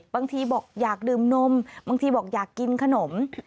บางทีบอกอยากดื่มนมบางทีบอกอยากกินขนม